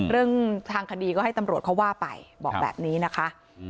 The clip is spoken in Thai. เรื่องทางคดีก็ให้ตำรวจเขาว่าไปบอกแบบนี้นะคะ